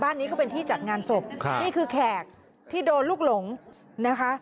นี้ก็เป็นที่จัดงานศพนี่คือแขกที่โดนลูกหลงนะคะ